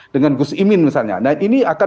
dengan gus imin misalnya nah ini akan